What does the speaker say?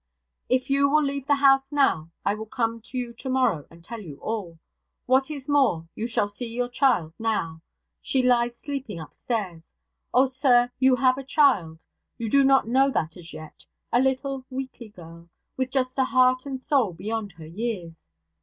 'If you will leave the house now, I will come to you tomorrow and tell you all. What is more, you shall see your child now. She lies sleeping upstairs. Oh, sir, you have a child, you do not know that as yet a little weakly girl with just a heart and soul beyond her years.